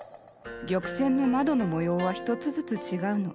玉扇の窓の模様は一つずつ違うの。